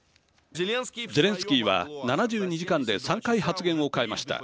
ゼレンスキーは７２時間で３回発言を変えました。